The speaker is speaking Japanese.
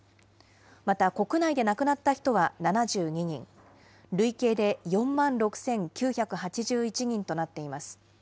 また国内で亡くなった人は７２人、累計で４万６９８１人となっています。